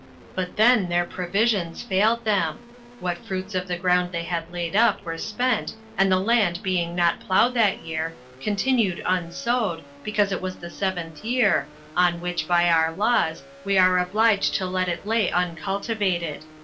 But then their provisions failed them; what fruits of the ground they had laid up were spent and the land being not ploughed that year, continued unsowed, because it was the seventh year, on which, by our laws, we are obliged to let it lay uncultivated.